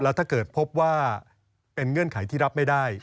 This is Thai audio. ถ้าเกิดพบว่าเป็นเงื่อนไขที่รับไม่ได้